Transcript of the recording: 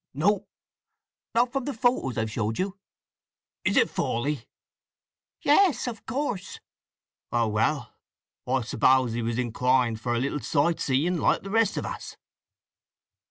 "No." "Not from the photos I have showed you?" "Is it Fawley?" "Yes—of course." "Oh, well. I suppose he was inclined for a little sight seeing like the rest of us."